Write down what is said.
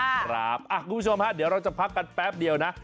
คุณผู้ชมฮะเดี๋ยวเราจะพักกันแป๊บเดียวนะ